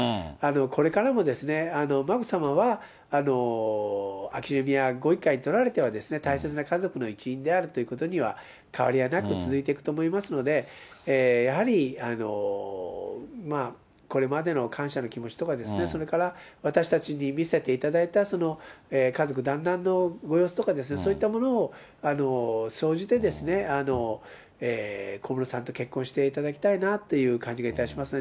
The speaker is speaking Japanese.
これからも眞子さまは秋篠宮ご一家にとられては、大切な家族の一員であるということには変わりはなく続いていくと思いますので、やはりこれまでの感謝の気持ちとか、それから私たちに見せていただいた家族団らんのご様子とか、そういったものを総じて小室さんと結婚していただきたいなっていう感じがしますね。